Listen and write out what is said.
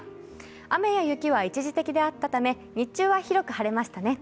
雨や雪は一時的であったため日中は広く晴れましたね。